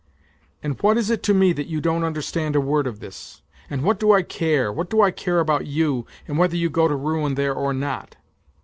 And what is it to me that you don't understand a word of this ! And what do I care, what do I care about you, and whether you go to ruin there or not